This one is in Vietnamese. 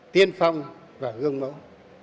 tiên phong và gương mẫu